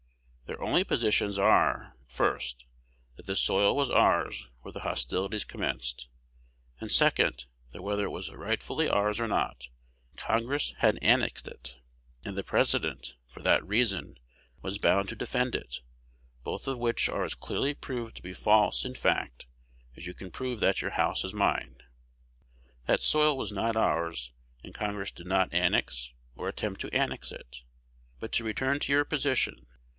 Their only positions are, first, that the soil was ours where the hostilities commenced; and second, that, whether it was rightfully ours or not, Congress had annexed it, and the President, for that reason, was bound to defend it, both of which are as clearly proved to be false in fact as you can prove that your house is mine. That soil was not ours; and Congress did not annex, or attempt to annex it. But to return to your position.